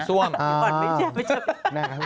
ความแต่งส้วน